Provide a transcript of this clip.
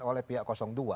oleh pihak dua